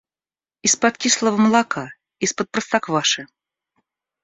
Из-под кислого молока, из-под простокваши.